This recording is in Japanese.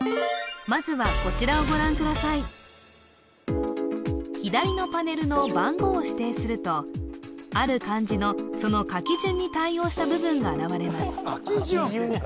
まずは左のパネルの番号を指定するとある漢字のその書き順に対応した部分が現れます